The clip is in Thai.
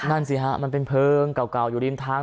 นั่นสิฮะมันเป็นเพลิงเก่าอยู่ริมทาง